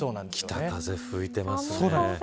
北風吹いてますね。